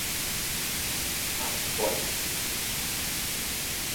Ma koan.